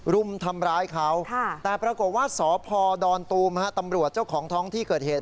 รุมทำร้ายเขาแต่ปรากฏว่าสพดอนตูมตำรวจเจ้าของท้องที่เกิดเหตุ